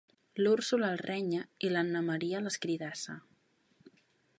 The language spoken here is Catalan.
L'Úrsula el renya i l'Anna Maria l'escridassa.